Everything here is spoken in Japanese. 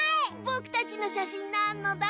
ぼくたちのしゃしんなのだ。